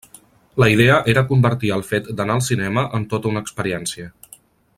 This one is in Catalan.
La idea era convertir el fet d'anar al cinema en tota una experiència.